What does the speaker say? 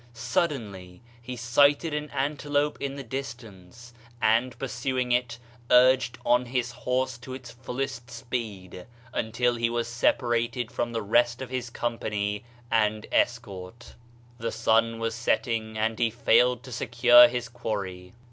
Suddenly he sighted an ante lope in the distance, and pursuing it, urged on his horse to its fullest speed, until he was separated from the rest of his company and escort. The sun was setting and he failed to secure his quarry.